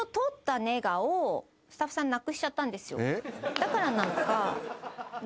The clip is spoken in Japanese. だからなのか。